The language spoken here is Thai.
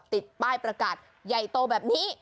ติดป้ายประกาศใหญ่โตแบบนี้